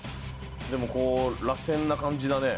でもこうらせんな感じだね。